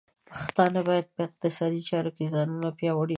پښتانه بايد په اقتصادي چارو کې ځانونه پیاوړي کړي.